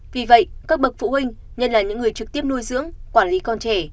vì vậy các bậc phụ huynh nhất là những người trực tiếp nuôi dưỡng quản lý con trẻ